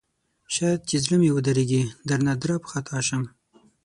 شاید چې زړه مې ودریږي درنه درب خطا شم